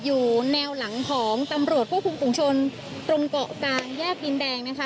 อยู่แนวหลังของตำรวจควบคุมฝุงชนตรงเกาะกลางแยกดินแดงนะคะ